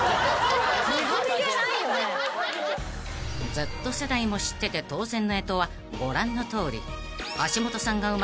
［Ｚ世代も知ってて当然の干支はご覧のとおり］